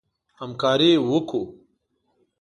همکاري وکړو.